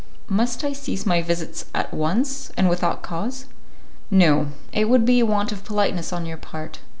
"Must I cease my visits at once, and without cause?" "No, it would be a want of politeness on your part.